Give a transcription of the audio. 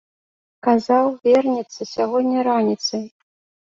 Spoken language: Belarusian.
Казаў, вернецца сягоння раніцай.